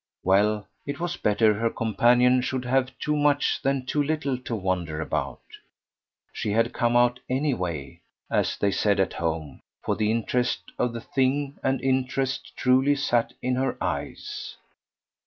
Well, it was better her companion should have too much than too little to wonder about; she had come out "anyway," as they said at home, for the interest of the thing; and interest truly sat in her eyes.